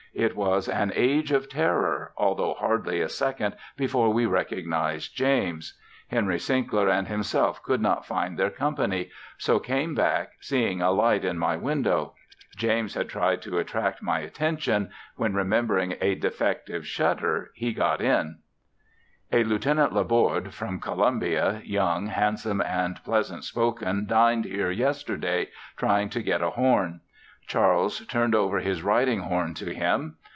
It was an age of terror, altho' hardly a second before we recognized James. Henry Sinkler and himself could not find their company, so came back seeing a light in my window. James had tried to attract my attention when, remembering a defective shutter, he got in. A Lieut. LaBorde from Columbia, young, handsome and pleasant spoken dined here yesterday, trying to get a horn. Charles turned over his riding horn to him.